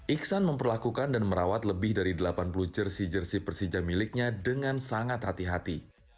iksan memperlakukan dan merawat lebih dari delapan puluh jersi jersi persija miliknya dengan sangat hati hati